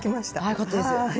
よかったです。